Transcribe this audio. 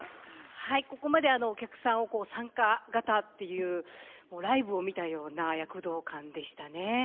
はいここまでお客さんを参加型っていうライブを見たような躍動感でしたね。